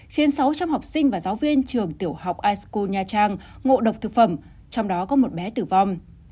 khiến sáu trăm linh học sinh và giáo viên trường tiểu học isku nha trang ngộ độc thực phẩm trong đó có một bé tử vong